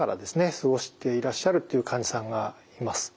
過ごしていらっしゃるっていう患者さんがいます。